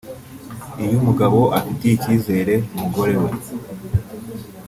Iyo umugabo afitiye ikizere umugore we